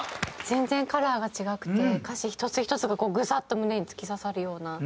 全然カラーが違くて歌詞１つ１つがグサッと胸に突き刺さるような。